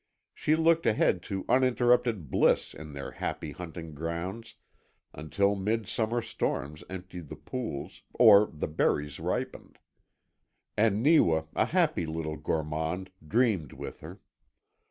She looked ahead to uninterrupted bliss in their happy hunting grounds until midsummer storms emptied the pools, or the berries ripened. And Neewa, a happy little gourmand, dreamed with her.